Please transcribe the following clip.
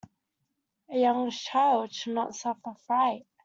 A young child should not suffer fright.